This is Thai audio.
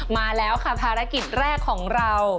มาแล้วค่ะภารกิจแรกของเรา